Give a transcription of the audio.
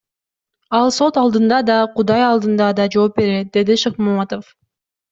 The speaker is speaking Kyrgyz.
Ал сот алдында да, Кудай алдында да жооп берет, — деди Шыкмаматов.